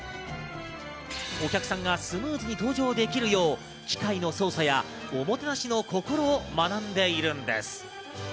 お客さんがスムーズに搭乗できるよう機械の操作やおもてなしの心を学んでいるんです。